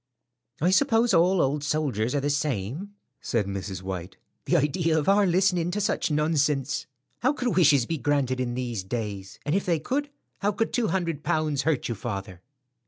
"I suppose all old soldiers are the same," said Mrs. White. "The idea of our listening to such nonsense! How could wishes be granted in these days? And if they could, how could two hundred pounds hurt you, father?"